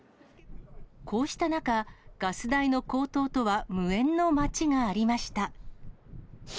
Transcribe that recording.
こうした中、ガス代の高騰とは無縁の町がありました。